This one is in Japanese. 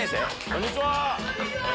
こんにちは。